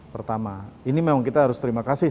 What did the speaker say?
pertama ini memang kita harus terima kasih